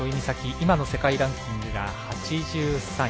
今の世界ランキングが８３位。